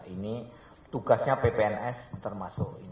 ini tugasnya ppns termasuk